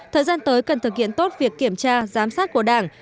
thời gian tới cần thực hiện tốt việc kiểm tra giám sát của đảng